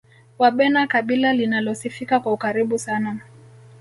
wabena kabila linalosifika kwa ukaribu sana